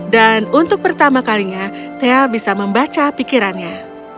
dan untuk pertama kalinya thea bisa membaca pikirannya